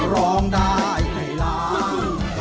คือร้องได้ให้ร้อง